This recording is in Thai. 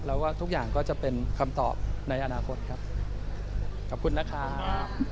แล้วว่าทุกอย่างก็จะเป็นคำตอบในอนาคตครับขอบคุณนะครับ